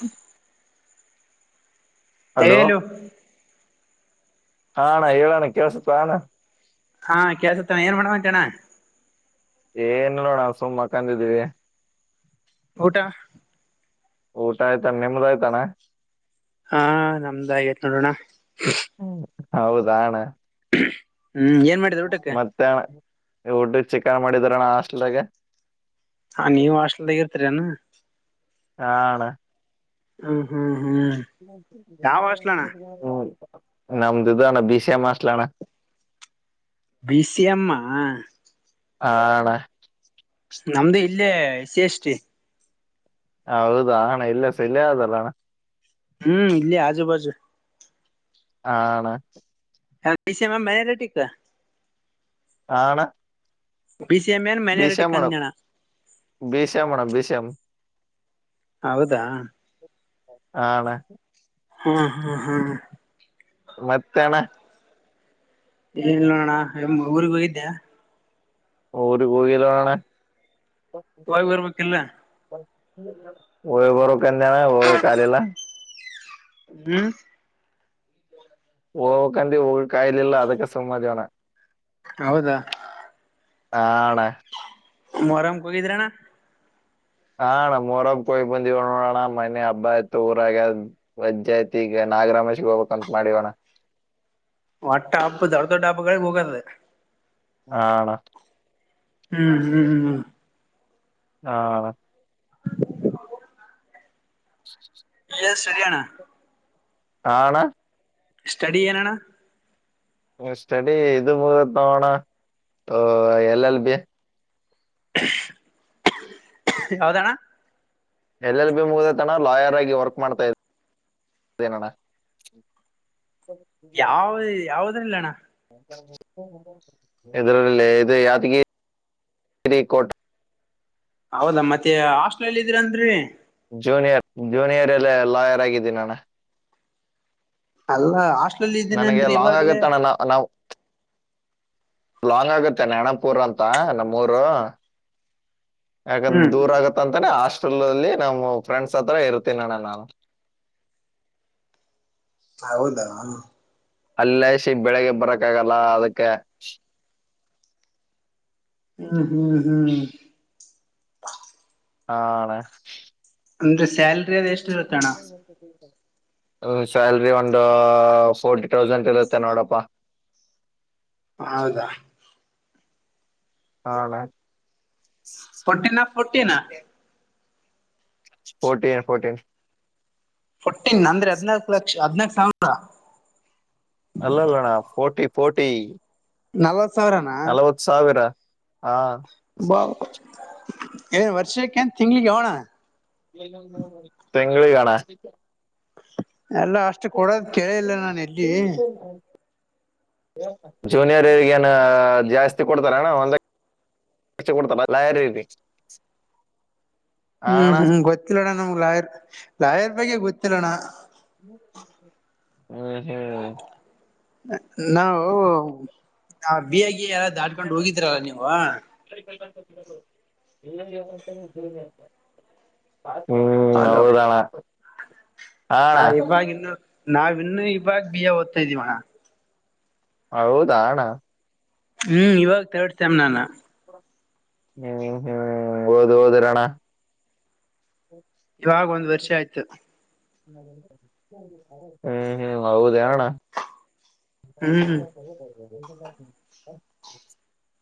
ಹ [unintelligible] ಹಲೋ ಹೇಳು ಹಾಣ ಹೇಳೋಣ ಕೇಳಸತ್ತುಣ ಹಾ ಕೇಸತ್ತಾನ ಏನ್ ಮಾಡ ಅಂತಣ್ಣ ಏನ್ ನೋಡ ಸುಮ್ಮ್ ಮಂಕದ್ದೀವಿ ಊಟ ಊಟ ಆಯ್ತಣ ನಿಮ್ದ್ ಆಯ್ತಾಣ ಹಾ ನಮ್ದಾಗೇತ್ ನೋಡೋಣ ಹ್ಮ್ ಹೌದಣ ಹ್ಮ್ ಏನ್ ಮಾಡ್ ಮತ್ತೆ [unintelligible] ಚಿಕನ್ ಮಾಡಿದ್ರಣ ಹಾಸ್ಟಲ್ದಾಗ ಹಾ ನೀವು ಹಸ್ಟೆಲ್ದಾಗ ಇರ್ತರಿ ಏನು ಹಾ ಅಣ ಹ ಹಾ ಹ್ಮ ನಮ್ದ [unintelligible] ಇದಣ ಬಿಸ ಎ ಮಾಸ್ಲ್ಣ [unintelligible] ಬಿ ಸಿ ಎಮ್ ಅ ಹ ಅಣ ನಮ್ದು ಇಲ್ಲೇ ಸಿ ಎಸ್ ಟಿ ಹ ಹೌದಾ ಹಣ ಇಲ್ಲ ಸ [unintelligible] ಇಲೆ ಆದಲ್ಲ ಹಣ ಹ್ಮ್ ಇಲ್ಲಿ ಆಜು ಬಾಜು ಹಾ ಅಣ [unintelligible] ಇೇ ಮಾಮ ಮ್ಯಾನೆ ರ ಟಿಕ್ಕ ಆ ಅಣ P C M N minority ಅಣ್ಣ ಕಲ್ಯಾಣ ಬಿ ಸೇಮ್ ಮಾಡಣ ಬಿ ಸಿ ಎಮ್ ಹೌದಾ ಆ ಅಣ ಹ್ಮ್ ಹಾ ಹಾ ಮತ್ತೇಣ್ಣ [unintelligible] ಏ ನೋಣ ಎ ಊಗ್ ಹೋಗಿದ್ದ್ಯಾ [unintelligible] ರು ಗಿ ಕಲೋಣ ಹೋಗ್ ಬರ್ಬೇಕಿಲ್ಲ [unintelligible] [unintelligible] ಒಓಳ್ಳ ಬರೋಕನ್ನನ ಒಓಳ್ಳ ಕಲ್ಲ ಹ್ಮ್ [unintelligible] ಹಓಕಾಿ ಕಾಯಲಲ್ಲ ಅದಕ್ಕೆ ಸುಮ್ಮತೋಣ ಹೌದಾ ಆ ಅಣ ಮರಮ್ ಕೋಗಿದ್ರಣ್ಣ [unintelligible] ಹಾಣ್ ಮರಬ್ ಕೊಯ್ ಬಂದವ ನೋಡೋಣ ಮನೆ ಹಬ್ಬ ಆಯತು ಊರಾಗ್ಯ [unintelligible] ವಜ್ಾಯಿತಿಗ ನಾಗರಮೇಶಿಗೆ ಹೋಗ್ಬೇಕಂತ ಮಾಡಿವೋಣ ಒಟ್ಟ ಹಬ್ಬ ದೊಡ್ ದೊಡ್ ಹಬ್ಬಗಳಿಗೆ ಹೋಗದೆ ಆ ಅಣಾ ಹ್ಮ್ ಹ್ಮ್ ಹಾ ಹ್ಮ [inaudible] ಎ ಸರಿಯಣ್ ಆಣ ಸ್ಟಡಿ ಏನಣ್ಣ ಸ್ಟಡಿ ಇದು ಮುಗತ್ ನೋಣತೊ ಎಲ್ ಎಲ್ ಬಿ ಯಾವ್ದಣ ಎಲ್ ಎಲ್ ಬಿ ಮುಗ್ದತಣ ಲಾಯರ್ ಆಗಿ ವರ್ಕ್ ಮಾಡ್ತಾ ಇದೇನಣ್ಣ. ಯಾವ ಯಾವದ್ರಲ್ಲ ಅಣ್ಣ [inaudible] ಇದರಲ್ಲ ಇದ ಯಾದಗಿ ಕೋಟ ಹೌದಾ ಮತ್ತೆ ಹಾಸ್ಟೆಲಲ್ಲಿ ಇದೀರ ಅನ್ರಿ ಜೂನಿಯರ್ ಜೂನಿಯರ್ ಎಲ್ಲ ಲಾಯರ್ ಆಗಿದ್ದೀನನಾ ಅಲ್ಲ ಅಷ್ ನನಗೆ ಲಾಂಗ್ ಆಗತ್ತ ಅಣ್ಣ ನಾ ನಾವ್ ಲಾಂಗ್ ಆಗುತ್ತ ನಣಪುರ್ ಅಂತ ನಮ್ಮೂರು ಯಾಕಂದ ಹ್ಮ್ ದೂರ ಆಗತ್ತಂತಾನ ಹಾಸ್ಟೆಲ್ ಅಲ್ಲಿ ನಮ್ಮ ಫ್ರೆಂಡ್ಸ್ ಹತ್ರ ಇರ್ತೀನಣ್ಣ ನಾನು ಹೌದ. ಅಲ್ಲೇಸಿ ಬೆಳಿಗ್ಗೆ ಬರಕ್ಕ ಆಗಲ್ಲ ಅದಕ್ಕೆ ಹ್ಮ ಹ್ಮ ಹ್ಮ ಹಾನಾ ಅಂದ್ರೆ ಸ್ಯಾಲ್ರಿ ಅದು ಎಷ್ಟ ಇರುತ್ತ ಅಣ್ಣ. ಸ್ಯಾಲ್ರಿ ಒಂದ ಫೋರ್ಟಿ ಥೌಸಂಡ್ ಇರುತ್ತೆ ನೋಡಪ್ಪಾ. ಹೌದಾ. ಹಾನಾ ಪಟ್ಟಿನ ಪಟ್ಟಿನ ಫೋರ್ಟೀನ್ ಫೋರ್ಟೀನ್ ಫೋರ್ಟನ್ ಅಂದ್ರೆ ಹದ್ನಾಕ ಲಕ್ಷ ಹದನಾಕ್ ಸಾವಿರ ಅಲ್ಲ ಅಲ್ಲಣ್ಣ ಫೋರ್ಟಿ ಫೋರ್ಟಿ ನಲ್ವತ ಸಾವರನಾ ನಲವತ್ತು ಸಾವಿರ ಹಾ ಬಾ ಏನ್ ವರ್ಷಕ್ಕೆ ಏನ್ ತಿಂಗ್ಳಿಗೆ ಅನಾ ತಿಂಗಳಿಗನಾ ಎಲ್ಲ ಅಷ್ಟ ಕೊಡೋದ ಕೇಳೆಇಲ್ಲ ನಾನ ಎಲ್ಲಿ ಜೂನಿಯರ್ಗ ಏನ್ ಜಾಸ್ತಿ ಕೊಡ್ತಾರಣ್ಣ ಒಂದ ರ್ಚ ಕೊಡ್ತರ ಲಾಯರ್ ರೀ ಹ್ಮ ಹ್ಮ ಗೊತ್ತಿಲ್ಲಣ್ಣ ನಮ್ಗ ಲಾಯರ್ ಲಾಯರ್ ಬಗ್ಗೆ ಗೊತ್ತಿಲ್ಲಣ. [inaudible] ಹ್ಮ ಹ್ಮ ನಾವು ಆ ಬಿಯಾಗಿ ಎಲ್ಲ ದಾಡ್ಕೊಂಡ ಹೋಗಿದ್ರಲ್ಲ ನೀವು [unintelligible] ಹ್ಮ ಹೌದನ ನಾ ಇವಾಗ ಇನ್ನು ನಾವ ಇನ್ನು ಇವಾಗ ಬಿಯ ಓದ್ತಾ ಇದೀವಣ. ಹೌದಣ ಹ್ಮ ಇವಾಗ ತರ್ಡ್ ಸೇಮ್ ನಾನ ಹ್ಮ ಹ್ಮ ಓದ ಓದರಣ್ಣ ಇವಾಗ ಒಂದ್ ವರ್ಷ ಆಯ್ತ. ಹು ಹು ಹೌದ ಹೇಳ ಅಣ್ಣಾ? [inaudible] [unintelligible] [unintelligible]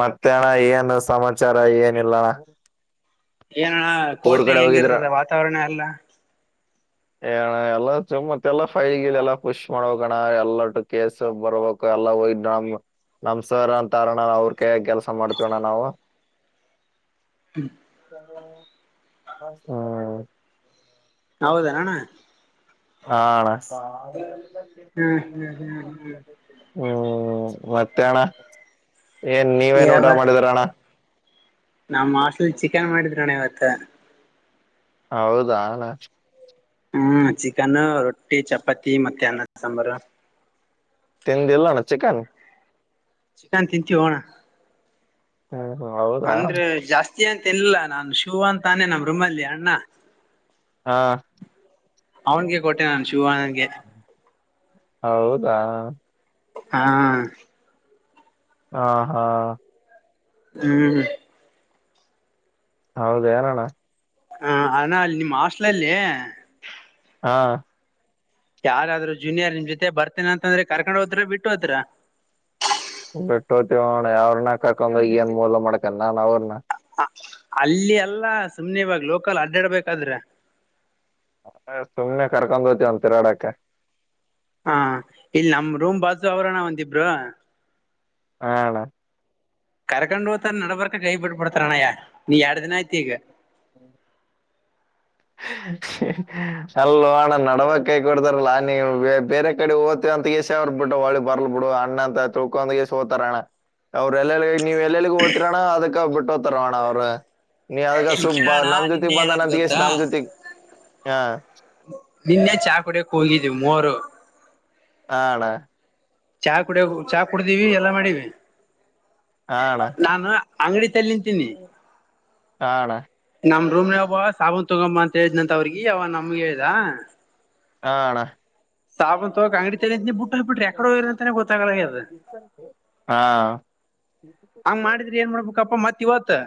ಮತ್ತ್ಯಾಣ ಏನು ಸಮಾಚಾರ ಏನ್ ಇಲ್ಲಾ ಅಣ್ಣಾ. [unintelligible] ಏನಣ್ಣ ಕೋರ್ಟ್ ನ್ಯಾಗ್ ಹೋಗಿದ್ರ ಹೆಂಗಿರ್ತದ ವಾತಾವರಣ ಎಲ್ಲಾ? [unintelligible] ಏಣ ಎಲ್ಲಾ ಸುಮ್ಮ ಪೇಲಸ ಫೈಲ್ ಗಿಲ್ ಎಲ್ಲಾ ಪುಷ್ ಮಾಡ ಬೇಕ ಅಣ್ಣ ಎಲ್ಲಟ್ಟು ಕೇಸ್ ಬರ್ಬಕ. [unintelligible] ಎಲ್ಲ ಹೋಯ ಡಮ್ ನಮ್ಮ ಸರ್ ಅಂತಾರ ಅಣ್ಣಾ ಅವ್ರ ಕೈಯಾಗ ಕೆಲಸ ಮಾಡ್ತವೆ ಅಣ್ಣಾ ನಾವು. [unintelligible] [unintelligible] [inaudible] ಹ ಹ [inaudible] [unintelligible] ಹೌದ ಏನ್ ಅಣ್ಣಾ? [unintelligible] ಹಾ ಅಣ್ಣಾ. [inaudible] ಹ್ಮ್ ಹ್ಮ್ ಹ್ಮ್ ಹ್ಮ್ [unintelligible] ಹೂ ಮತ್ತೆ ಅಣ್ಣಾ ಏನ್ ನೀವೇನ್ ಊಟ ಮಾಡಿದರ ಅಣ್ಣಾ. [unintelligible] ನಮ್ಮ ಹಾಸ್ಟಲಲ್ಲಿ ಚಿಕನ್ ಮಾಡಿದರ ಅಣ್ಣಾ ಇವತ್ತ. [unintelligible] ಹೌದಾ ಅಣ್ಣಾ. [unintelligible] ಹೂ ಚಿಕನ್ ರೊಟ್ಟಿ ಚಪಾತಿ ಮತ್ತೆ ಅನ್ನ ಸಾಂಬಾರು. [unintelligible] ತಿಂ ಇಲ್ಲ ಅಣ್ಣಾ ಚಿಕನ್. [unintelligible] ಚಿಕನ್ ತಿಂತೀವೂ ಅಣ್ಣಾ. [unintelligible] ಹೂ ಹೌ [unintelligible] ಅಂದ್ರೆ ಜಾಸ್ತಿ ಅಂತ ಇಲ್ಲ ಅಣ್ಣಾ ಶಿವ್ ಅಂತಾನೆ ನಮ್ಮ ರೂಮಲ್ಲಿ ಅಣ್ಣಾ. ಹಾ [unintelligible] ಅವನಗೆ ಕೊಟ್ಟೆ ನಾನ ಶಿವಾ ಆಗಿ. [unintelligible] ಹೌದಾ? [unintelligible] ಹಾ [unintelligible] ಹಾ ಹ. [unintelligible] ಹೂ ಹು. [unintelligible] ಅರಾಮ ಅದಿ ಏನ್ ಅಣ್ಣಾ? [unintelligible] ಅ ಅಣ್ಣಾ ಅಲ್ಲಿ ನಿಮ್ಮ ಹಾಸ್ಟೆಲಲ್ಲಿ. [unintelligible] ಹಾ. [unintelligible] ಯಾರಾದರೂ ಜೂನಿಯರ್ ನಿಮ್ಮ ಜೊತೆ ಬರ್ತೀನಿ ಅಂತಂದ್ರೆ ಕರ್ಕೊಂಡು ಹೋಗ್ತಿರೋ ಬಿಟ್ಟು ಹೋಗ್ತಿರಾ? [unintelligible] ಬಿಟ್ಟು ಹೋಗ್ತೀವೋ ಅಣ್ಣಾ ಯವರನ ಕರ್ಕೊಂಡು ಹೋಗಿ ಏನ್ ಮೂಲ ಮಾಡಕಲ್ಲ ನಾನ್ ಅವ್ರನ. [unintelligible] ಆ ಅಲ್ಲಿ ಅಲ್ಲ ಸುಮ್ನೆ ಇವಾಗ ಲೋಕಲ್ ಅಡ್ಡಾಡಬೇಕಾದ್ರೆ. [unintelligible] ಹ ಸುಮ್ನೆ ಕರ್ಕೊಂಡ್ ಹೋಗತಿವ ಅಂತ ತಿರಗಾಡಕ್ಕ. [unintelligible] ಹಾ ಇಲ್ಲಿ ನಮ್ಮ ರೂಮ್ ಬಾಜು ಅವರ ಅಣ್ಣಾ ಒಂದ ಇಬ್ಬರ. [unintelligible] ಹಾ ಅಣ್ಣಾ. [unintelligible] ಕರ್ಕೊಂಡ್ ಹೋತಾನಾ ನಡಬರಕ್ಕ ಕೈ ಬಿಟ್ಟಬಡ್ತಾರ ಅಣ್ಣಯ್ಯ ನೀ ಎರಡ್ ದಿನ ಆಯ್ತ ಈಗ. [unintelligible] [unintelligible] ಅಲ್ಲೊ ಅಣ್ಣಾ ನಡಬರಕ ಕೈ ಕೊಡತಾರಲ್ಲ ನೀವ್ ಬೇ ಬೇರೆ ಕಡೆ ಹೋದ್ [unintelligible] ಅಂತಗೆಸೇರ್ ಬಿಟ್ಟು ಹೊಳಿ ಬರ್ಲ್ ಬಿಡು ಅಣ್ಣ ಅಂತ ತಿಳ್ಕೊಗೆಸ ಹೋತಾರಣ್ಣ. [unintelligible] ಅವರ ಎಲ್ಲೆಲ್ಲಿಗೆ ನೀವ್ ಎಲ್ಲೆಲ್ಲಿಗೂ ಹೋಗತಿರೋ ಅಣ್ಣಾ ಅದಕ್ಕ ಬಿಟ್ಟ ಹೋಗತಾರವಣ್ಣ ಅವರ. [unintelligible] ನೀ ಅದಕ್ಕ ಇಲ್ಲಿ ಸುಬ್ಬ ಕೇಳೋಣ ನಮ್ಮ ಜೊತೆಗ್ ನಿನ್ನೆ ಬಂದ ಏನಾಯ್ತು ಅಂತಗ್ಯಾಸ್ ಗೊತ್ತಾ ನಮ್ಮ ಜೊತೆಗ್ ಹಾ [unintelligible] ನಿನ್ನೆ ಚಾ ಕುಡಿಯಕ್ ಹೋಗಿದ್ದವಿ ಮೂವರು. [unintelligible] ಹಾ ಅಣ್ಣಾ. [unintelligible] ಚಾ ಕುಡಿಯೋಕ ಚಾ ಕುಡಿದಿವಿ ಎಲ್ಲಾ ಮಾಡಿವಿ. [unintelligible] ಹಾ ಅಣ್ಣಾ. [unintelligible] ನಾನ್ ಅಂಗಡಿತಲ್ಲಿ ನಿಂತೀನಿ. ಹಾ ಅಣ್ಣ [unintelligible] ನಮ್ಮ ರೂಮ್ ನ್ಯಾಗ ಒಬ್ಬ ಸಾಬೂನ್ ತುಗೊಂದ ಬಾ ಅಂತ ಹೇಳಿದನಂತ ಅವ್ರಿಗೆ ಅವ ನಮಗೆ ಹೇಳದಾ. [unintelligible] ಹಾ ಅಣ್ಣ ಸಾಬೂನ್ ತೋಣಕ್ಕೆ ಅಂಗಡಿ ತೆಗಿತಿನಿ ಬಿಟ್ಟ ಹೊಗ್ ಬಿಟ್ರಿ ಯಾಕಡೆ ಹೋಗರಿ ಅಂತಾನೇ ಗೊತ್ತಾಗಲದ. ಹಾ ಹಂಗ ಮಾಡಿದ್ರಿ ಏನ್ ಮಾಡ್ಬೇಕಪ್ಪ ಮತ್ತ ಇವತ್ತು.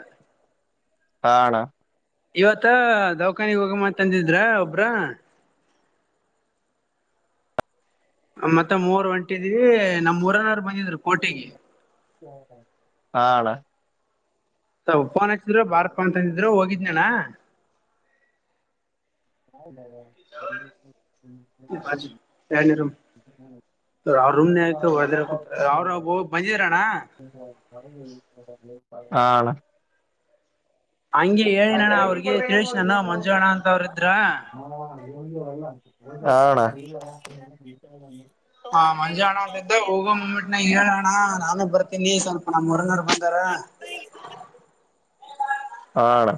ಹಾ ಅಣ್ಣ. ಇವತ್ತ ದೌಖಾನಿಗ್ ಹೋಗಮಾ ಅಂದಿದ್ರು ಒಬ್ರು. ಮತ್ತೆ ಮೂರ್ ಒಂಟಿದ್ವಿ ನಮ್ ಊರನರು ಬಂದಿದ್ರು. ಕೋಟಿಗೆ ಹಾ ಅಣ್ಣ ಫೋನ್ ಹಾಚ್ಚಿದ್ರು ಬಾರಪ್ಪ ಅಂತ ಅಂದಿದ್ರರು ಹೋಗಿದ್ನಣ್ಣ. [inaudible] ಅವ್ರೂಮ್ [unintelligible] ಅವ್ರವು ಬಂದಿದ್ರಣ್ಣ. ಹಾ ಅಣ್ಣ ಹಂಗೆ ಹೇಳಿನಣ್ಣ ಅವ್ರಿಗೆ ತಿಳಿಸ್ನಣ್ಣ ಮಂಜು ಅಣ್ಣ ಅಂತ ಅವ್ರಿದ್ರ. ಹಾ ಅಣ್ಣ ಹಾ ಮಂಜ ಅಣ್ಣ ಅಂತಿದ್ದ ಹೋಗ ಮುಮೆಂಟ್ನ ಹೇಳೋಣ ನಾನೇ ಬರ್ತೀನಿ ಸ್ವಲ್ಪ ನಮ್ಮ್. [inaudible] ಹಾ ಆಣ್ಣ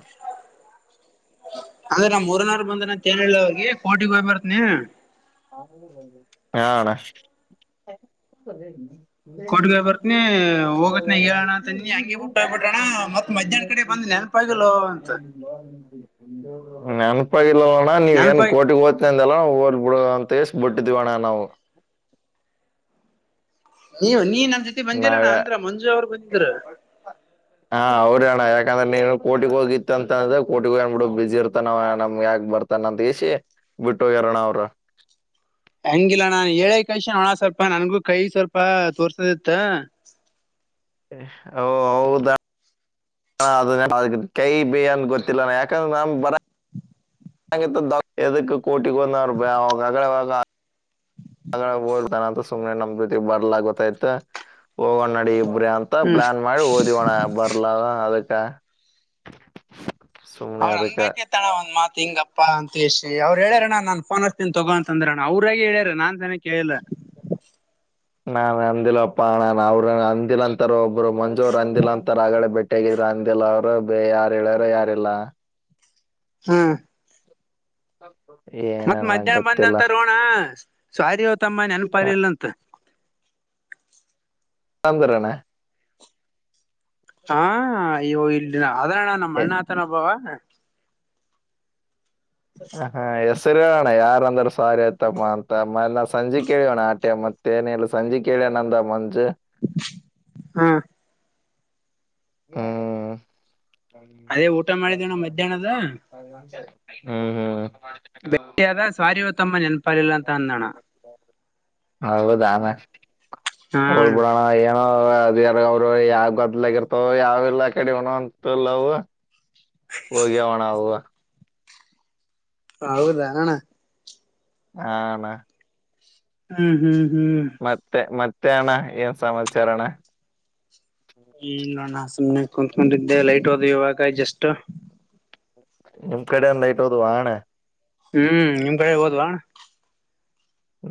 ಅದೇನಾ ಊರ್ನಾರ ಬಂದ್ರರ ಅಂತ ಹೇಳಿಲ್ಲ ಅವ್ರಿಗೆ ಕೋಟಿಗ್ ಹೋಗಿ ಬರ್ತ್ನಿ ಹಾ ಅಣ್ಣ ಕೊಟಿಗ್ ಬರ್ತನಿ ಹೋಗತ್ನ ಹೇಳಣ ತಂದನಿ ಹಂಗೆ ಬಿುಟ್ಟೋಗ್ಬ ಬಿಟ್ರಣ ಮತ್ ಮಧ್ಯಾಹ್ನದ್ ಕಡೆ ಬಂದಿಲ್ಲ ಯಾರು. ಬಂದಿಲ್ಲೊ ಅಂತ. ನೆನಪಾಗಿಲ್ಲೊಣ ನೀವ ಏನ್ ನೆನಪಾಗಿ ಕೋಟಿಗ್ ಹೊಗ್ತಿ ಅಂದಲ್ಲ ಹೊಗ್ಲಿ ಬಿಡು. ತೇಗಿಸ್ ಬಿಟ್ಟಿದೀವಣ್ಣ ನಾವು. ನೀವ ನೀ ನನ್ ಜೊತೆ ನಾವೇ ಬಂದಿಲ್ಲಣ್ಣ ಅಂದ್ರ ಮಂಜು ಅವರು ಬಂದಿದ್ರು ಹಾ ಅವ್ರ ಅಣ್ಣ ಯಾಕಂದ್ರ ನೀನು ಕೋಟಿಗ್ ಹೋಗಿತ್ತ ಅಂದ್ರ ಕೋಟಿ ಹೋಗ್ಯಾನ ಬಿಡು ಬಿಜಿ ಇರ್ತಾನವ ನಮಗೆ ಯಾಕೆ ಬರುತ್ತೆತ್ತಾನೆ. ತನ್ನ ದಸಿ ಬಿಟ್ಟು ಹೋಗ್ಯಾರ ಅಣ್ಣ ಅವರು. ಹಂಗಿಲ್ಲಾ ನಾನ್ ಹೇಳಿ ಕಳಿಸಿ ಅಣ್ಣ ನಂದು ಸ್ವಲ್ಪ ಕೈ ತೋರ್ಸೋದಿತ್ತು ಓ ಹೌದಾ ಹ ಅದ ಅ ಕೈ ಬಿೇ ಅಂದ ಗೊತ್ತಿಲ್ಲ ಯಾಕಂದ್ರೆ ನಮ್ ಬರ. [unintelligible] ಯದಕ್ಕ ಕೋರ್ಟ್ಗೆ [unintelligible] ಆ ಹೋಗ್ತಾನಂತ ಸುಮನೆ ನಮ್ ಜೊತೆಗೆ ಬರ್ಲಾಗತ್ತತ್ ಹೋಗೋಣ್ ನಡಿ ಇಬ್ರ ಅಂತ. ಮತ್ತ ಹ್ಮ್ ಪ್ಲಾನ್ ಮಾಡಿ ಹೊದಿವೋಣ ಬರ್ಲ ಅದಕ್ಕೆ. ಅವ್ ಅನ್ ಬೈಕೇತಳ ಒಂದ್ ಮಾತ್ ಹಿಂಗಪ್ಪ ಅಂತ ಎಸಿ ಅವರು ಹೇಳ್ಯಾರಣ್ಣ ನನ್ ಫೋನ್ ಹಚ್ಚೋತೀನಿ ತಗೋಂತ. ತೊಂದ್ರಣ ಅವ್ರಾಗಿ ಹೇಳ್ಯಾರ ನಾನ್ ಅಂತ ಕೇಳಿದೆ. ನಾನ್ ಅಂದಿಲ್ಲಪ್ಪಾ ಅವ್ರ ಅಂದಿಲ್ಲ ಅಂತರ ಒಬ್ರು ಮಂಜ ಅವರ ಅಂದಿಲ್ಲ ಅಂತರ ಆಗಡೆ ಬಿಟ್ಟ. ತೆಗಿದ್ರ ಅಂದಿಲ್ಲ ಅವರುಯಾರ ಹೇಳ್ಯಾರ ಯಾರೆಲ್ಲ. ಹ್ಮ್ [inaudible] ಮತ್ ಮಧ್ಯಾಹ್ನ ಬಂದ ಗೊತ್ತಿಲ್ಲ ಅಂತರೋಣ ಸೊರ್ರಿಯೋ ತಮ್ಮ ಅ, ನೆನಪಿಲ್ಲ ಅಂತ. ಅಂದ್ರೆನ. ಹಾ ಇವು ಇಲ್ಲಿ ಅದೇ ಅಣ್ಣ ಎ- ನಮ್ಮಣ್ಣ ಅದೇನೋ ಒಬ್ಬವ. ಹಾ ಹೆಸರು ಹೇಳಣ್ಣ ಯಾರ ಅಂದ್ರ ಸೋರಿ ತಮ್ಮ ಅಂತ ಬಾ ಅಂತ ಮೇಲೆನಾ ಸಂಜೆ ಆಟೆ ಮತ್ತ. ತನೇಲ್ಲ ಸಂಜಿ ಕೇಳಿಯಾಣನ ಅಂದ ಮಂಜು. ಹ್ಮ್ ಹ್ಮ್ ಅದೇ ಊಟ ಮಾಡಿನೀ ನೋಡು ಮಧ್ಯಾಹ್ನದು. ಹ್ಮ್ ಹ್ಮ್ ಅದ ಸಾರಿ ಇವೋ ತಮ್ಮ ನೆನಪಾಗಲಿಲ್ಲ ಅಂತ ಅಂದಣ. ಹೌದಾ ನಾನು ಹಾ ಹೋಗಲೇ ಅಣ್ಣ ಬಿಡನ ಏನಾದ್ರೂ ಅದ ಅವ ಅವರು ಯಾವ್ ಗದ್ದಲಾಗಿರ್ತವ ಯಾವೆಲ್ಲ ಕಡೆವಣ ಅಂತಲ್ಲವು. ಹೋಗಿವಣ್ಣ ಅವು ಹ ಹೌದಾ ಅಣ್ಣ ಹಾ ಅಣ ಹ್ಮ್ ಹ್ಮ್ ಹ್ಮ್ ಮತ್ತೆ ಮತ್ತೆಣ್ಣ ಏನ್ ಸಮಾಮಾಚಾರ ಅಣ್ಣ ಇಲ್ಲ ಅಣ್ಣ ಸುಮ್ಮನೆ ಕೂತ್ಕೊಂಡಿದ್ದೆ ಲೈಟ್ ಹೋದ ಇವಾಗ ಜಸ್ಟ್ ನಿಮ್ ಕಡೆ ಐಟ್ ಹೋದವ ಅಣ್ಣ ಹ್ಮ್ ನಿಮ್ ಕಡೆ ಹೊದವ.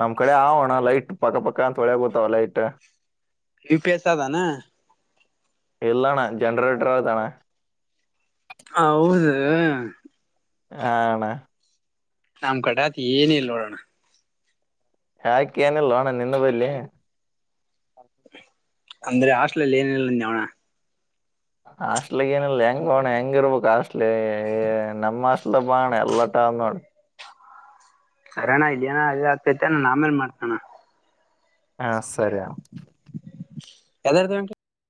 ನಮ್ ಕಡೆ ಅವನ ಲೈಟ್ ಪಕ್ಕ ಪಕ್ಕ ಅಂತ ಒಳೆಕಾತ್ತಾವ ಲೈಟ್ ಯು ಪಿ ಎಸ್ ಅದಾನ. ಇಲ್ಲಣ್ಣ ಜನರೇಟರ್ ಐದಣ್ಣ. ಹೌದೇ ಆ ಅಣ್ಣ ನಮ್ ಕಡೆ ಅದ್ ಏನಿಲ್ಲ ನೋಡೋಣ. ಯಾಕೆ ಏನಿಲ್ವಾ ನಿನ್ನವ್ ಇಲ್ಲಿ. ಅಂದ್ರೆ ಹಾಸ್ಟೆಲಲ್ಲಿ ಏನು ಇಲ್ಲ ಅಂತ ನೋಡಣ್ಣ ಹಾಸ್ಟ್ಲಿಗ್ ಏನಿಲ್ಲ ಹೆಂಗ ಹೋಣ ಹೆಂಗ ಇರ್ಬೇಕು ಹಾಸ್ಟ್ಲಿ ನಮ್ಮ ಹಾಸ್ಟ್ ಎಲ್ಲ ಬಾಣ ಎಲ್ಲ ತಾವು ನೋಡು ಸರಿಯಣ್ಣ ಇದೇನು ಇದು ಆಗತೈತಿ ನಾನು ಆಮೇಲೆ ಮಾಡ್ತಾನೆ ಅಣ್ಣ. ಹಾ ಸರಿಯ ಎದುರಗಂಟೆ